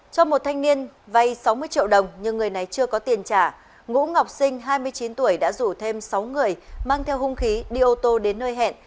trong một thanh niên vay sáu mươi triệu đồng nhưng người này chưa có tiền trả ngũ ngọc sinh hai mươi chín tuổi đã rủ thêm sáu người mang theo hung khí đi ô tô đến nơi hẹn